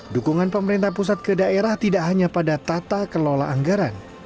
dukungan pemerintah pusat ke daerah tidak hanya pada tata kelola anggaran